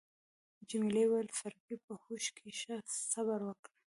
جميلې وويل: فرګي، په هوښ کي شه، صبر وکړه.